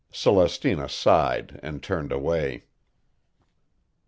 Celestina sighed and turned away.